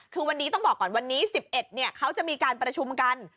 คือวันนี้ต้องบอกก่อนวันนี้๑๑เขาจะมีการประชุมกัน